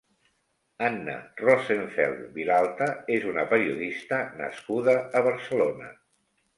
Anna Rosenfeld Vilalta és una periodista nascuda a Barcelona.